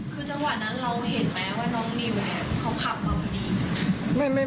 คือจังหวะนั้นเราเห็นไหมว่าน้องนิวเนี่ยเขาขับมาพอดี